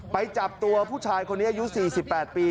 ไปจับตัวผู้ชายคนนี้อายุ๔๘ปี